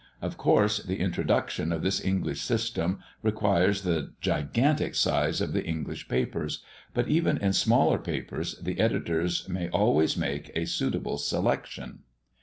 Of course, the introduction of this English system requires the gigantic size of the English papers, but even in smaller papers the editors may always make a suitable selection.